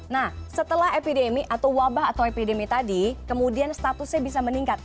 nah setelah epidemi atau wabah atau epidemi tadi kemudian statusnya bisa meningkat